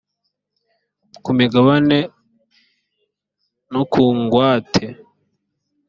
ku migabane no ku ngwate